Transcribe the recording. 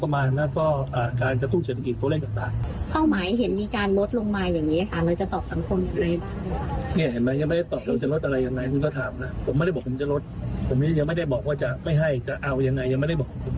ผมยังไม่อยากให้เกาะความสับสนข้างล่างอยากจะตอบต้องตอบให้หมด